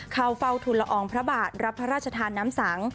เข้าเฝ้าทุนละอองพระบาทรับพระราชทานน้ำสัง